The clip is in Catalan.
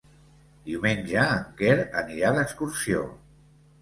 Diumenge en Quer anirà d'excursió.